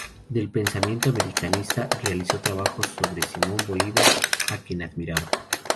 De pensamiento americanista, realizó trabajos sobre Simón Bolívar, a quien admiraba.